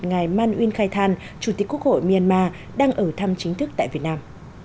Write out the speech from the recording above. ngài man uyên khai thàn chủ tịch quốc hội myanmar đang ở thăm chính thức tại việt nam